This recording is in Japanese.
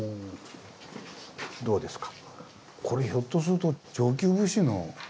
どうですか？